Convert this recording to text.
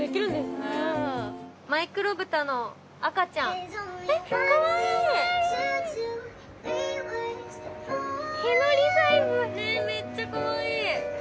ねっめっちゃかわいい。